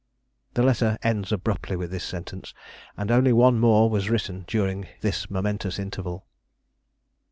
The letter ends abruptly with this sentence, and only one more was written during this momentous interval.